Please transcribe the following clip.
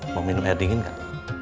mau minum air dingin nggak